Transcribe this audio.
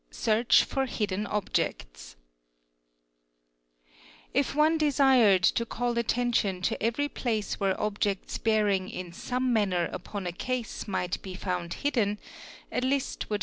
Search for Hidden Objects "®), If one desired to call attention to every place where objects bear ing in some manner upon a case might be found hidden, a list would Section iv.